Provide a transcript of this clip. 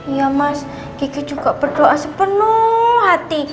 iya mas gigi juga berdoa sepenuh hati